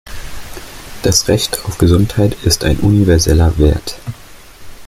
Das Recht auf Gesundheit ist ein universeller Wert.